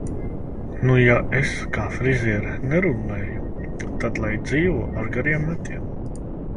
Nu - ja es kā friziere nerullēju, tad lai dzīvo ar gariem matiem.